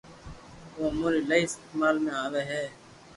او اموري ايلائي استعمال ۾ آوي ھي